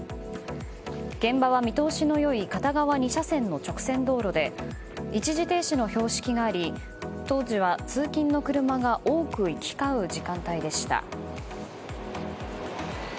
現場は見通しの良い片側２車線の直線道路で一時停止の標識があり当時は通勤の車が多く行き交う時間帯でした。